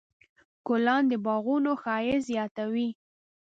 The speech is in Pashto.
ګلان د باغونو ښایست زیاتوي.